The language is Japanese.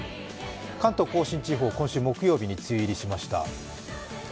関東甲信地方、今週木曜日に梅雨入りしました。